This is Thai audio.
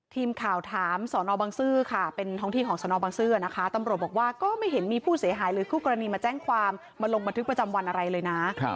ทีมข่าวถามสอนอบังซื้อค่ะเป็นท้องที่ของสนบังซื้อนะคะตำรวจบอกว่าก็ไม่เห็นมีผู้เสียหายหรือคู่กรณีมาแจ้งความมาลงบันทึกประจำวันอะไรเลยนะ